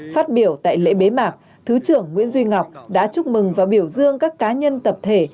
phát biểu tại lễ bế mạc thứ trưởng nguyễn duy ngọc đã chúc mừng và biểu dương các cá nhân tập thể